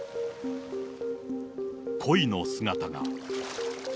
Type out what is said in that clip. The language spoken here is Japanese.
コイの姿が。